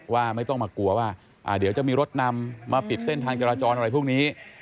ว่าไม่ต้องมากลัวว่าเดี๋ยวจะมีรถนำมาปิดเส้นทางจราจรอะไรพวกนี้